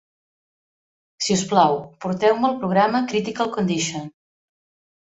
Si us plau, porteu-me el programa Critical Condition.